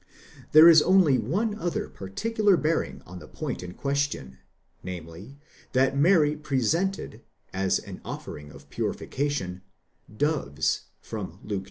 There is only one other particular bearing on the point in question, namely, that Mary pre sented, as an Offering of purification, doves (Luke ii.